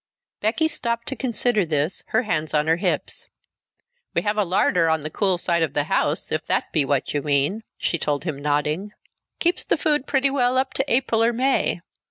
Becky stopped to consider this, her hands on her hips. "We have a larder on the cool side of the house, if that be what you mean," she told him, nodding. "Keeps the food pretty well up to April or May.